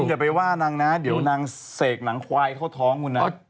อย่าไปว่านางนะเดี๋ยวนางเสกหนังควายเข้าท้องคุณนะ